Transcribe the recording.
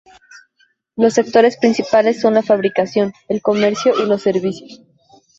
Los sectores principales son la fabricación, el comercio y los servicios.